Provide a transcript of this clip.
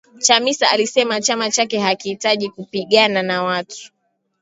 Chamisa alisema chama chake hakitaki kupigana na watu.